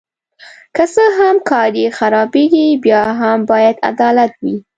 که څه هم کار یې خرابیږي بیا هم باید عدالت وي.